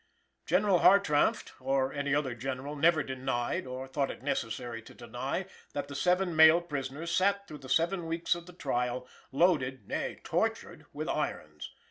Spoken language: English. General Hartranft (or any other General) never denied, or thought it necessary to deny, that the seven male prisoners sat through the seven weeks of the trial, loaded, nay tortured, with irons.